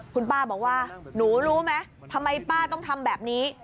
คุณป้าบอกว่าหนูรู้ไหมทำไมป้าต้องทำแบบนี้